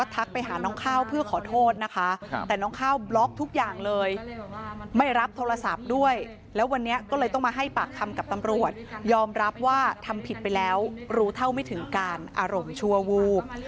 ถึงการอารมณ์ชัวร์วูบ